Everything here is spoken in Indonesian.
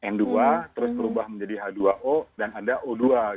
n dua terus berubah menjadi h dua o dan ada o dua